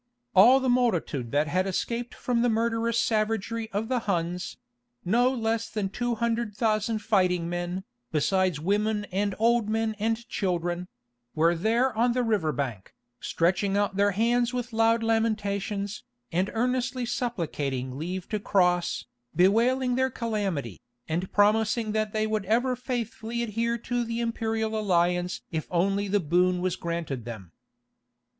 "All the multitude that had escaped from the murderous savagery of the Huns—no less than 200,000 fighting men, besides women and old men and children— were there on the river bank, stretching out their hands with loud lamentations, and earnestly supplicating leave to cross, bewailing their calamity, and promising that they would ever faithfully adhere to the imperial alliance if only the boon was granted them."